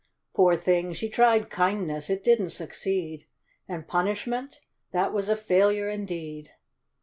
Poor thing, she tried kindness ; it didn't succeed ; And punishment,— that was a failure indeed.